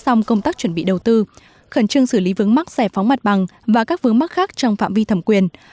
trong công tác chuẩn bị đầu tư khẩn trương xử lý vững mắc giải phóng mặt bằng và các vững mắc khác trong phạm vi thẩm quyền